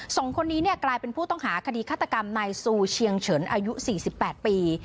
สองคนนี้เนี่ยกลายเป็นผู้ต้องหาคดีฆาตกรรมนายซูเชียงเฉินอายุ๔๘ปี